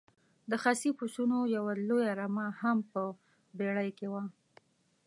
د خسي پسونو یوه لویه رمه هم په بېړۍ کې وه.